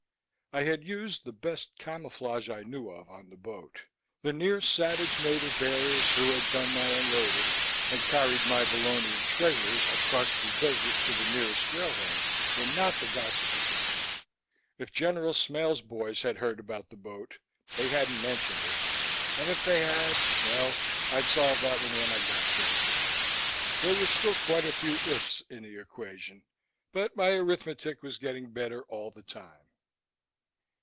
I had used the best camouflage I knew of on the boat. The near savage native bearers who had done my unloading and carried my Vallonian treasures across the desert to the nearest railhead were not the gossipy type. If General Smale's boys had heard about the boat, they hadn't mentioned it. And if they had: well, I'd solve that one when I got to it. There were still quite a few 'if's' in the equation, but my arithmetic was getting better all the time.